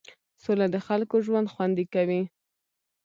سوله د خلکو ژوند خوندي کوي.